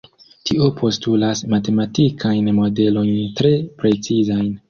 Tio postulas matematikajn modelojn tre precizajn.